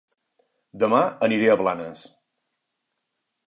Dema aniré a Blanes